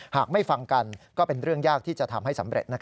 หากไม่ฟังกันก็เป็นเรื่องยากที่จะทำให้สำเร็จ